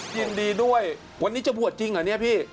ยินดีด้วยวันนี้จะบวชจริงเหรอเนี่ยพี่